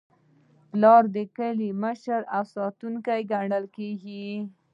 پلار د کور مشر او ساتونکی ګڼل کېږي.